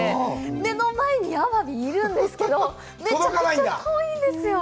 目の前にアワビがあるんですけど、めちゃくちゃ遠いんですよ。